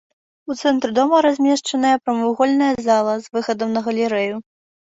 У цэнтры дома размешчаная прамавугольная зала з выхадам на галерэю.